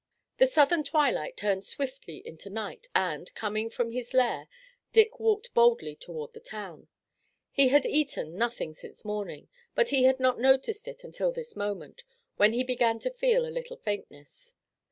The Southern twilight turned swiftly into night and, coming from his lair, Dick walked boldly toward the town. He had eaten nothing since morning, but he had not noticed it, until this moment, when he began to feel a little faintness.